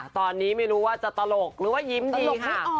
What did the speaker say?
ตอนนี้ไม่รู้ว่าจะตลกหรือว่ายิ้มตลอดค่ะ